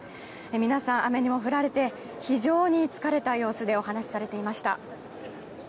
皆さん、雨にも降られて非常に疲れた様子でお話をされていました。